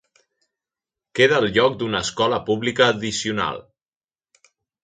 Queda el lloc d'una escola pública addicional.